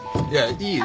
いいよ。